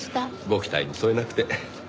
ご期待に添えなくて。